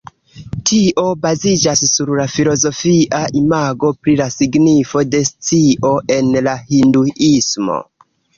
Tio baziĝas sur la filozofia imago pri la signifo de scio en la Hinduismo.